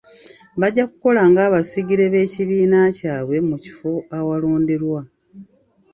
Bajja kukola nga abasigire b'ekibiina kyabwe mu kifo awalonderwa.